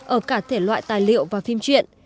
ở cả thể loại tài liệu và phim chuyện